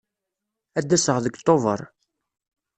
Ad d-aseɣ deg Tubeṛ.